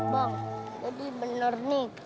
pak jadi bener nek